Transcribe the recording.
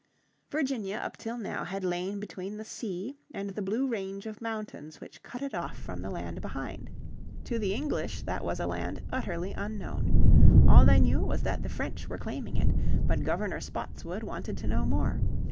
Virginia up till now had lain between the sea and the blue range of mountains which cut it off from the land behind. To the English that was a land utterly unknown. All they knew was that the French were claiming it. But Governor Spotswood wanted to know more.